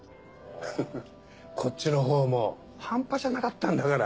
フフフこっちのほうも半端じゃなかったんだから。